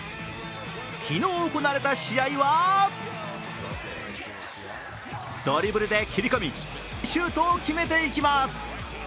昨日行われた試合はドリブルで切り込み、シュートを決めていきます。